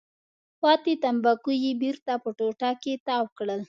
پاتې تنباکو یې بېرته په ټوټه کې تاو کړل.